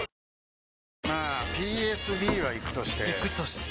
まあＰＳＢはイクとしてイクとして？